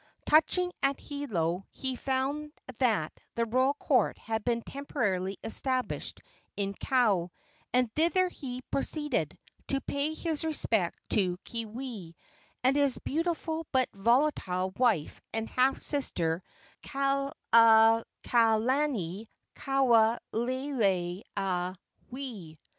Touching at Hilo, he found that the royal court had been temporarily established in Kau, and thither he proceeded, to pay his respects to Keawe and his beautiful but volatile wife and half sister, Kalani kauleleiaiwi.